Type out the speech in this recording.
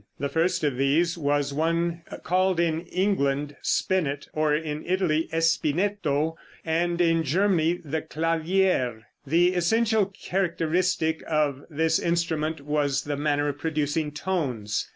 The first of these was the one called in England Spinet, or in Italy Espinnetto, and in Germany the Clavier. The essential characteristic of this instrument was the manner of producing tones.